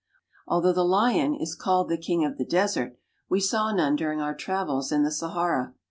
Although the lion is called the king of the desert, we V none during our travels in the Sahara.